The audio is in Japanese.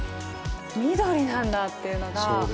緑なんだっていうのが。